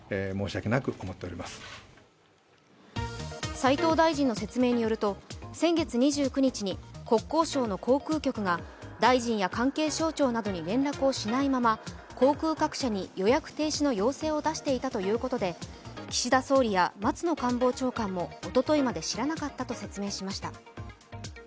斉藤大臣の説明によると、先月２９日に国交省の航空局が大臣や関係省庁などに連絡をしないまま航空各社に予約停止の要請を出していたということで知らなかったと説明しました。